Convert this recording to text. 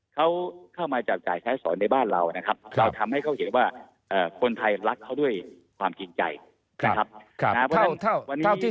เขาเข้ามาจับจ่ายใช้สอยในบ้านเรานะครับเราทำให้เขาเห็นว่าคนไทยรักเขาด้วยความจริงใจนะครับ